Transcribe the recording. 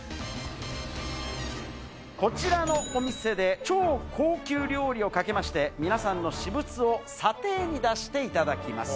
こちらのお店で超高級料理を賭けまして、皆さんの私物を査定に出していただきます。